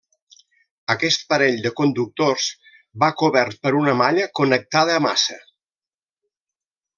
Aquest parell de conductors va cobert per una malla connectada a massa.